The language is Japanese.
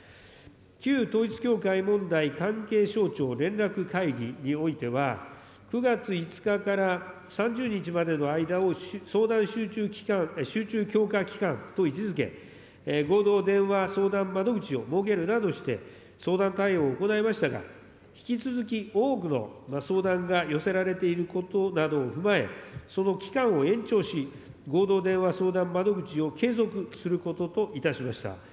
旧統一教会問題関係省庁連絡会議においては、９月５日から３０日までの間を相談集中強化期間と位置づけ、合同電話相談窓口を設けるなどして、相談対応を行いましたが、引き続き多くの相談が寄せられていることなどを踏まえ、その期間を延長し、合同電話相談窓口を継続することといたしました。